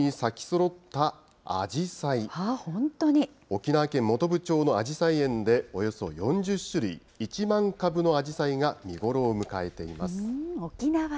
沖縄県本部町のアジサイ園で、およそ４０種類１万株のアジサイが見頃を迎えています。